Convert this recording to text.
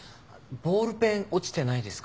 ボールペン落ちてないですか？